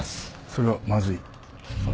それはまずい。